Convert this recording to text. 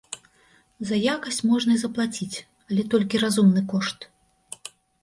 За якасць можна і заплаціць, але толькі разумны кошт.